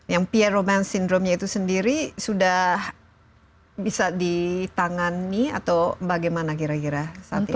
yang pierre robin syndrome nya itu sendiri sudah bisa ditangani atau bagaimana kira kira saat ini